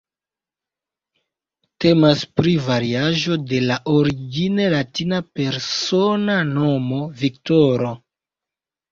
Temas pri variaĵo de la origine latina persona nomo "Viktoro".